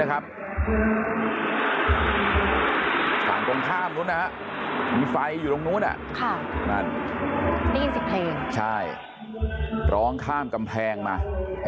กล้องข้ามกำแพงมา